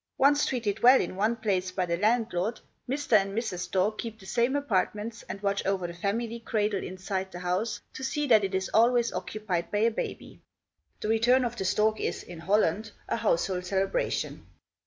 Once treated well in one place, by the landlord, Mr. and Mrs. Stork keep the same apartments and watch over the family cradle inside the house, to see that it is always occupied by a baby. The return of the stork is, in Holland, a household celebration.